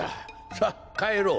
さあかえろう。